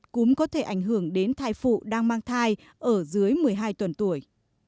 cúm có thể ảnh hưởng đến thai phụ đang mang thai ở dưới một mươi hai tuần tuổi